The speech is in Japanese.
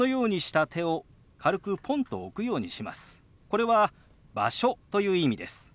これは「場所」という意味です。